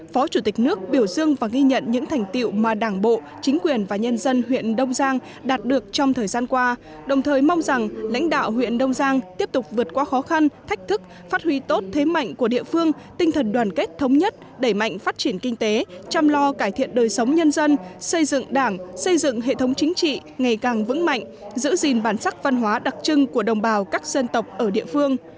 phó chủ tịch nước biểu dương và ghi nhận những thành tiệu mà đảng bộ chính quyền và nhân dân huyện đông giang đạt được trong thời gian qua đồng thời mong rằng lãnh đạo huyện đông giang tiếp tục vượt qua khó khăn thách thức phát huy tốt thế mạnh của địa phương tinh thần đoàn kết thống nhất đẩy mạnh phát triển kinh tế chăm lo cải thiện đời sống nhân dân xây dựng đảng xây dựng hệ thống chính trị ngày càng vững mạnh giữ gìn bản sắc văn hóa đặc trưng của đồng bào các dân tộc ở địa phương